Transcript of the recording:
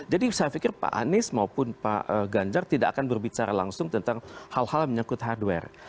jadi saya pikir pak anies maupun pak ganjar tidak akan berbicara langsung tentang hal hal menyangkut hardware